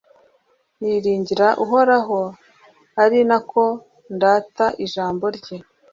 niringira uhoraho, ari na ko ndata ijambo rye